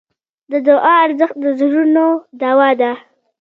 د دعا ارزښت د زړونو دوا ده.